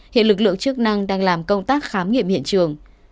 hiện lực lượng chức năng đang làm công tác khám nghiệm hiện trường